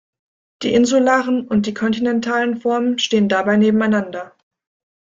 Die insularen und die kontinentalen Formen stehen dabei nebeneinander.